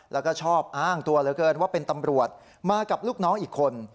แล้วก็ชอบอ้างตัวเหลือเกินว่าเป็นตำรวจมากับลูกน้องอีกคน